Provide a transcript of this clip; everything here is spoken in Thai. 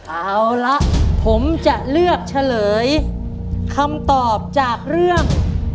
เอาละผมจะเลือกเฉลยคำตอบจากเรื่อง